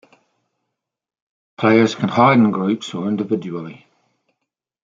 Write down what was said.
Players can hide in groups or individually.